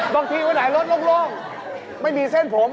บวกที่ไหนรถโลกไม่มีเส้นผม